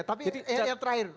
tapi yang terakhir